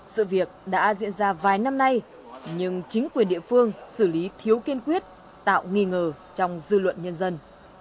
sự việc đã diễn ra vài năm nay nhưng chính quyền địa phương xử lý thiếu kiên quyết tạo nghi ngờ trong dư luận nhân dân